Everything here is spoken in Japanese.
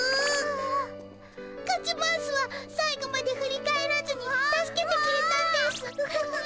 カズマウスは最後まで振り返らずに助けてくれたんですぅ。